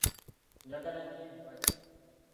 Njagala nnyo ebibajje.